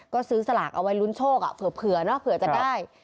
ก็ซื้อสลากเอาไว้ลุ้นโชคเผื่อเนอะเผื่อจะได้